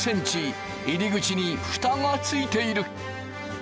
入り口にふたがついている。